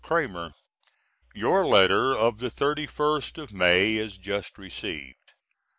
CRAMER: Your letter of the 31st of May is just received.